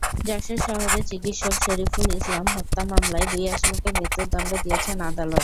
যশোর শহরে চিকিৎসক শফিকুল ইসলাম হত্যা মামলায় দুই আসামিকে মৃত্যুদণ্ড দিয়েছেন আদালত।